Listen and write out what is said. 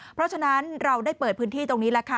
เพราะฉะนั้นเราได้เปิดพื้นที่ตรงนี้แหละค่ะ